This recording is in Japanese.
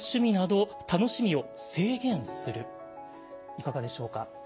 いかがでしょうか？